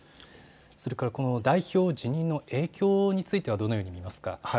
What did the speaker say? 代表辞任の影響についてはどのように見ますか。